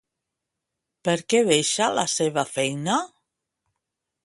Per què deixa la seva feina?